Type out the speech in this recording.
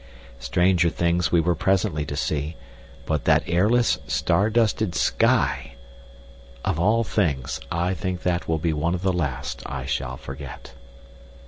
Stranger things we were presently to see, but that airless, star dusted sky! Of all things, I think that will be one of the last I shall forget.